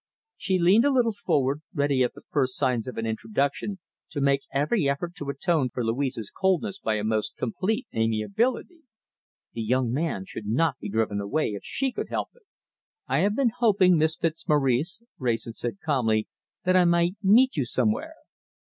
She leaned a little forward, ready at the first signs of an introduction to make every effort to atone for Louise's coldness by a most complete amiability. This young man should not be driven away if she could help it! "I have been hoping, Miss Fitzmaurice," Wrayson said calmly, "that I might meet you somewhere."